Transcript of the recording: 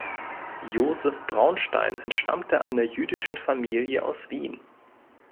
Joseph Braunstein entstammte einer jüdischen Familie aus Wien.